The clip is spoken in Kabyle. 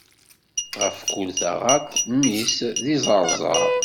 Ɣef kul taɣaṭ, mmi-s d izeṛzeṛ.